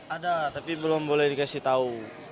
ada tapi belum boleh dikasih tahu